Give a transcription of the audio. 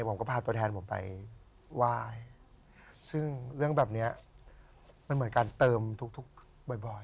ผมก็พาตัวแทนผมไปไหว้ซึ่งเรื่องแบบเนี้ยมันเหมือนการเติมทุกบ่อย